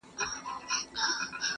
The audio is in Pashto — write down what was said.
چي قاضي څه کوي زه ډېر په شرمېږم,